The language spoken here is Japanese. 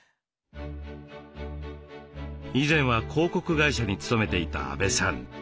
以前は広告会社に勤めていた阿部さん。